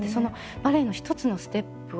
バレエの１つのステップを。